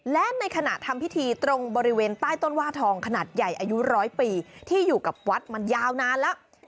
และในขณะทำพิธีตรงบริเวณใต้ต้นว่าทองขนาดใหญ่อายุร้อยปีที่อยู่กับวัดมายาวนานแล้ว